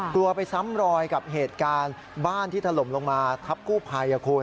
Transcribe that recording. กลัวไปซ้ำรอยกับเหตุการณ์บ้านที่ถล่มลงมาทับกู้ภัยคุณ